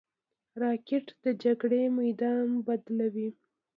راکټ د جګړې میدان بدلوي